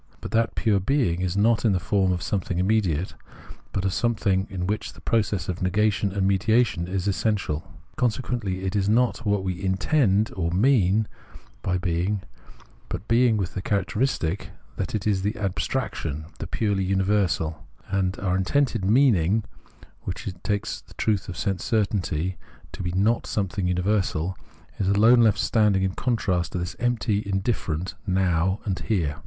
But that pure being is not in the form of something Sense certainty 95 immediate, but of something in which the process of negation and mediation is essential. Consequently it is not what we intend or " mean " by being, but being with the characteristic that it is an abstraction, the purely universal ; and our intended " meaning," which takes the truth of sense certainty to be not something universal, is alone left standing in contrast to this empty, indifferent Now and Here.